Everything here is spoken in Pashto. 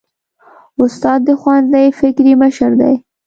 استاد د ښوونځي فکري مشر دی.